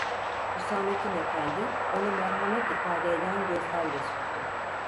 Hüsamettin efendi onu merhamet ifade eden gözlerle süzdü: